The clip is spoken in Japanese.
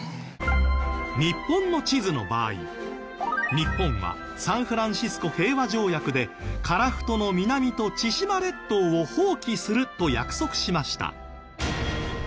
日本の地図の場合日本はサンフランシスコ平和条約で樺太の南と千島列島を放棄すると約束しました。